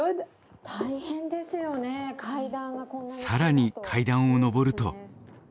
更に階段を上ると。